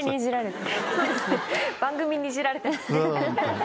番組にイジられてますね。